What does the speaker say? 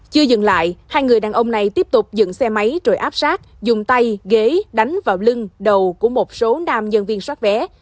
chưa dừng lại hai người đàn ông này tiếp tục dựng xe máy rồi áp sát dùng tay ghế đánh vào lưng đầu của một số nam nhân viên xoát vé